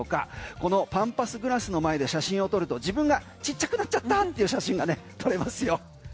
このパンパスグラスの前で写真を撮ると自分がちっちゃくなっちゃったなんていう写真が撮れますよ。